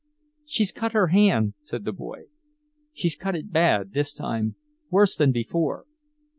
"She's cut her hand!" said the boy. "She's cut it bad, this time, worse than before.